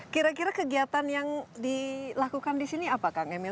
kira kira kegiatan yang dilakukan disini apakah kamil